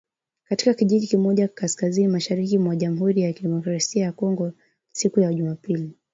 Katika kijiji kimoja kaskazini-mashariki mwa Jamhuri ya Kidemokrasi ya Kongo siku ya Jumapili.